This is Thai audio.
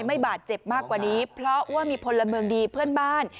ไม่บาดเจ็บมากกว่านี้เพราะว่ามีพลเมืองดีเพื่อนบ้าน